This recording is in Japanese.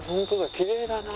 きれいだなあ。